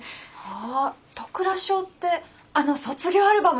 あ戸倉小ってあの卒業アルバムの。